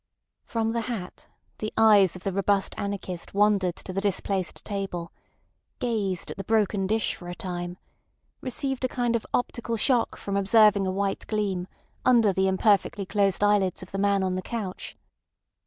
From the hat the eyes of the robust anarchist wandered to the displaced table, gazed at the broken dish for a time, received a kind of optical shock from observing a white gleam under the imperfectly closed eyelids of the man on the couch.